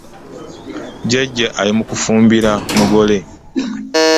Jjajja ali mu kufumbirira mugole.